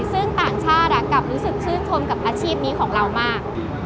ซึ่งต่างชาติกลับรู้สึกชื่นชมกับอาชีพนี้ของเรามาก